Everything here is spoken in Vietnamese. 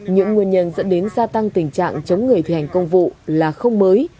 những nguyên nhân dẫn đến gia tăng tình trạng chống người thi hành công vụ là không mới